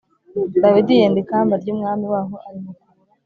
Dawidi yenda ikamba ry umwami waho arimukura